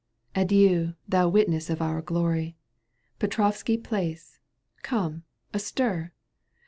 Adieu, thou witness of our glory, Petrovski Palace ; come, astir